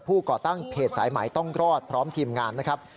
ก่อตั้งเพจสายหมายต้องรอดพร้อมทีมงานนะครับ